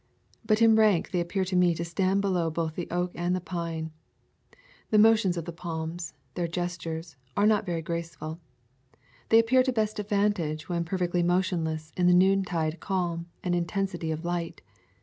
But in rank they appear to me to stand below both the oak and the pine. The motions of the palms, their gestures, are not very grace ful. They appear to best advantage when per fectly motionless in the noontide calm and in tensity of light.